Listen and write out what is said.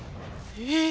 えっ！